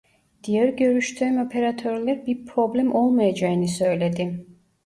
Diğer görüştüğüm operatörler bir problem olmayacağını söyledi